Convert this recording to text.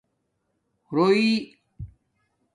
رݸئ